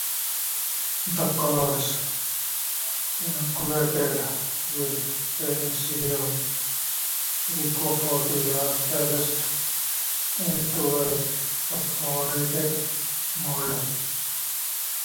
The curds, inoculated with "Penicillium roqueforti", are placed into a perforated mold.